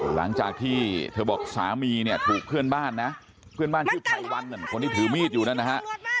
หลังจากที่เธอบอกสามีเนี่ยถูกเพื่อนบ้านนะเพื่อนบ้านชื่อไพรวันคนที่ถือมีดอยู่นั่นนะฮะ